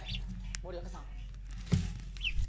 森若さん。